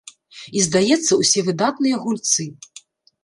І, здаецца, усе выдатныя гульцы.